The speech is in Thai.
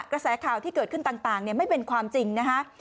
กระแสข่าวที่เกิดขึ้นต่างไม่เป็นความจริงนะคะ